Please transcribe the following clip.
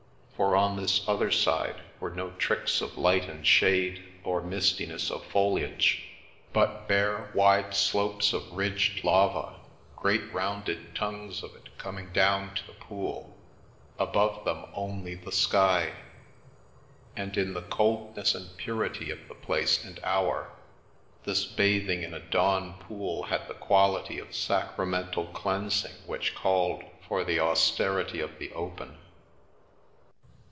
For on this other side were no tricks of light and shade or mistiness of foliage, The Milky Way but bare, wide slopes of ridged lava, great rounded tongues of it coming down to the pool, above them only the sky; and, in the coldness and purity of the place and hour, this bathing in a dawn pool had a quality of sacramental cleansing which called for the austerity of the open.